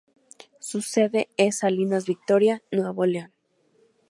Su sede es Salinas Victoria, Nuevo León.